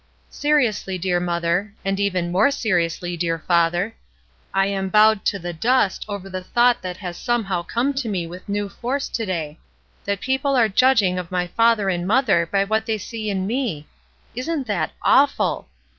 ''Seriously, dear mother, —and even more seriously, dear father, — I am bowed to the dust over the thought that has somehow come to me with new force to day: that people are judg ing of my father and mother by what they see in me! Isn't that awful!